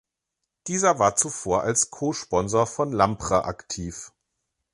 Dieser war zuvor als Co-Sponsor von Lampre aktiv.